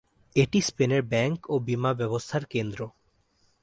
এটি স্পেনের ব্যাংক ও বীমা ব্যবস্থার কেন্দ্র।